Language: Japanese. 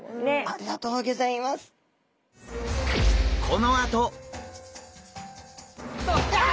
ありがとうギョざいます。ああ！